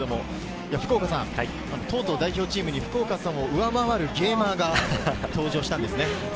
福岡さん、とうとう代表チームに福岡さんを上回るゲーマーが登場したんですね。